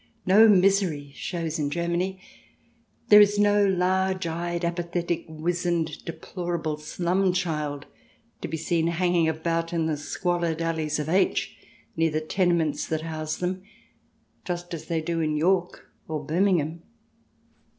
No misery shows in Germany; there is no large eyed, apathetic, wizened, deplor able slum child to be seen hanging about in the squalid alleys of H near the tenements that 52 CH. V] PAX GERMANICA 53 house them, just as they do in York or Birmingham.